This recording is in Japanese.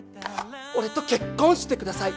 俺と結婚してください。